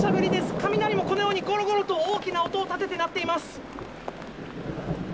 雷もこのように、ごろごろと大きな音を立てて鳴っています。